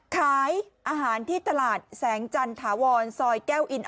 ขายอาหารที่ตลาดแสงจันถาวรซอยแก้วอิน